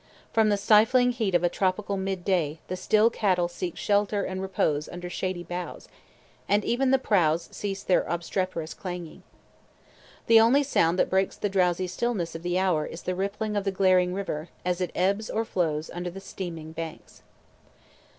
From the stifling heat of a tropical midday the still cattle seek shelter and repose under shady boughs, and even the prows cease their obstreperous clanging. The only sound that breaks the drowsy stillness of the hour is the rippling of the glaring river as it ebbs or flows under the steaming banks.